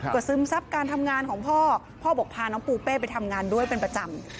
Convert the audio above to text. ก็ซึมซับการทำงานของพ่อพ่อบอกพาน้องปูเป้ไปทำงานด้วยเป็นประจำ